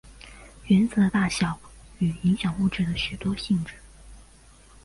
原子的大小与影响物质的许多性质。